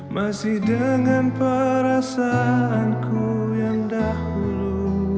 masih dengan perasaanku yang dahulu